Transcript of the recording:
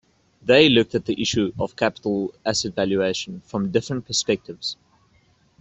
They looked at the issue of capital asset valuation from different perspectives.